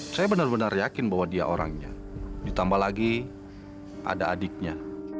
saya benar benar yakin bahwa dia orangnya ditambah lagi ada adiknya